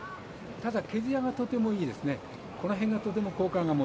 ただ、毛づやがとてもいいですね。